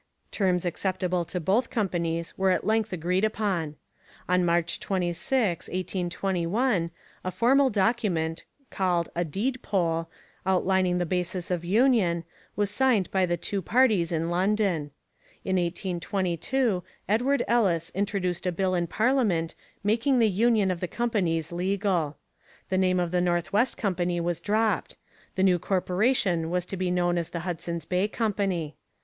Terms acceptable to both companies were at length agreed upon. On March 26, 1821, a formal document, called a 'deed poll,' outlining the basis of union, was signed by the two parties in London. In 1822 Edward Ellice introduced a bill in parliament making the union of the companies legal. The name of the North West Company was dropped; the new corporation was to be known as the Hudson's Bay Company.